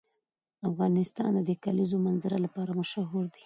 افغانستان د د کلیزو منظره لپاره مشهور دی.